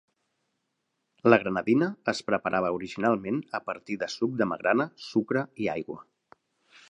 La granadina es preparava originalment a partir de suc de magrana, sucre i aigua.